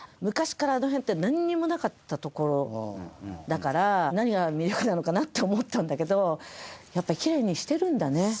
昔からあの辺ってなんにもなかったところだから何が魅力なのかなって思ったんだけどやっぱりきれいにしてるんだね。